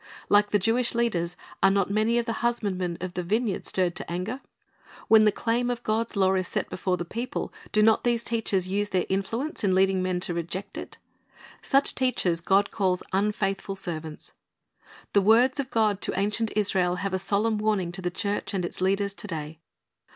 Like the Jewish leaders, are not many of the husbandmen of the vineyard stirred to anger? When the claim of God's law is set before the people, do not these teachers use their influence in leading men to reject it? Such teachers God calls unfaithful servants. The words of God to ancient Israel have a solemn warning to the church and its leaders to day.